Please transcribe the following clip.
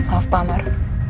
maaf pak amar